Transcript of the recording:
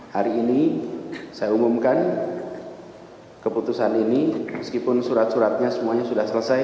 hari ini saya umumkan keputusan ini meskipun surat suratnya semuanya sudah selesai